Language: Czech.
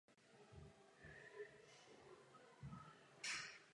Po vylíhnutí jsou housenky bělavé.